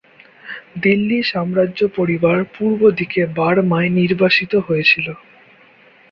দিল্লি সাম্রাজ্য পরিবার পূর্বদিকে বার্মায় নির্বাসিত হয়েছিল।